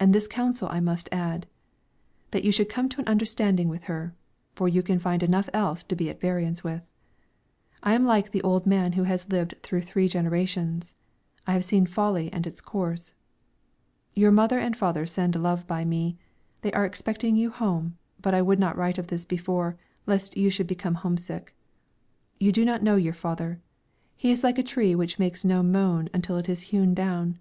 And this counsel I must add, that you should come to an understanding with her, for you can find enough else to be at variance with. I am like the old man who has lived through three generations; I have seen folly and its course. Your mother and father send love by me. They are expecting you home; but I would not write of this before, lest you should become homesick. You do not know your father; he is like a tree which makes no moan until it is hewn down.